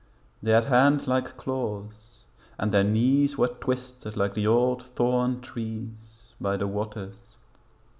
They had hands like claws, and their knees Were twisted like the old thorn trees By the waters.